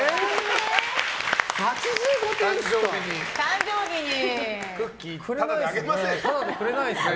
８５点ですか？